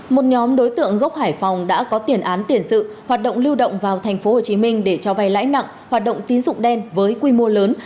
một nhóm đối tượng gốc hải phòng đã có tiền án tiền sự hoạt động lưu động vào tp hcm để cho vay lãi nặng hoạt động tín dụng đen với quy mô lớn